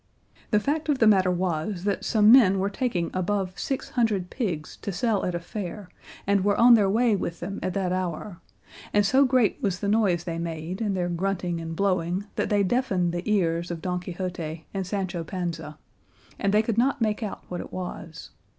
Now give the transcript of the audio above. The fact of the matter was that some men were taking above six hundred pigs to sell at a fair, and were on their way with them at that hour, and so great was the noise they made and their grunting and blowing, that they deafened the ears of Don Quixote and Sancho Panza, and they could not make out what it was.